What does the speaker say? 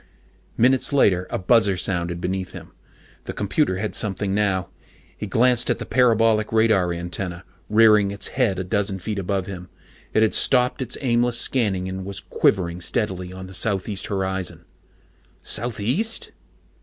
Minutes later, a buzzer sounded beneath him. The computer had something now. He glanced at the parabolic radar antenna, rearing its head a dozen feet above him. It had stopped its aimless scanning and was quivering steadily on the southeast horizon. _Southeast?